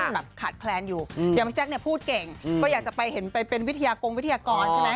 แบบขาดแคลนอยู่อย่างพี่แจ๊คเนี่ยพูดเก่งก็อยากจะไปเห็นไปเป็นวิทยากรงวิทยากรใช่ไหม